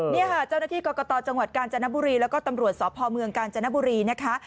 นี่ค่ะเจ้าหน้าที่กรกตจังหวัดกาญจนบุรีแล้วก็ตำรวจสพเมืองกาญจนบุรีนะคะ